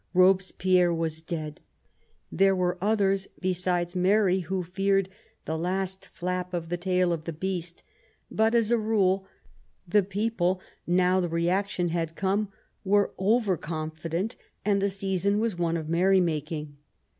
Robespierre was dead. There were others besides Mary who feared " the last flap of the tail of the beast "; but, as a rule, the people, now the reaction had come, were over confident, and the season was one of merry making.